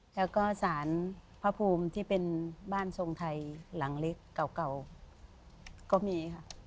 แล้วก็สารพระภูมิที่เป็นบ้านทรงไทยหลังเล็กเก่าก็มีค่ะ